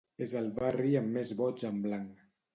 És el barri amb més vots en blanc.